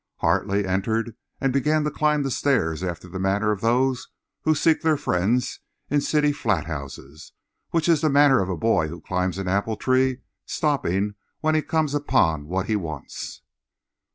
Hartley entered and began to climb the stairs after the manner of those who seek their friends in city flat houses—which is the manner of a boy who climbs an apple tree, stopping when he comes upon what he wants.